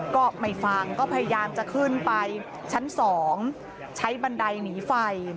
ก็ไม่ฟังก็พยายามจะขึ้นไปชั้น๒ใช้บันไดหนีไฟ